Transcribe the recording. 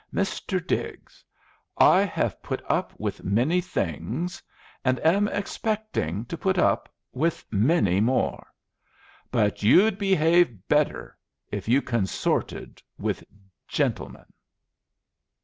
"Mr. Diggs, I have put up with many things, and am expecting to put up with many more. But you'd behave better if you consorted with gentlemen."